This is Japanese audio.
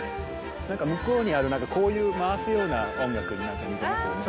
なんか向こうにあるこういう回すような音楽になんか似てますよね。